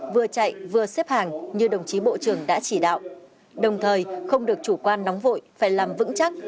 vừa chạy vừa xếp hàng như đồng chí bộ trưởng đã chỉ đạo đồng thời không được chủ quan nóng vội phải làm vững chắc